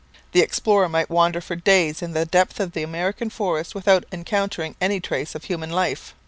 The explorer might wander for days in the depths of the American forest without encountering any trace of human life.